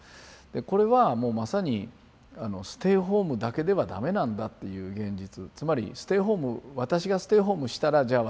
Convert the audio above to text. これはもうまさにステイホームだけではダメなんだっていう現実つまりステイホーム私がステイホームしたらじゃあ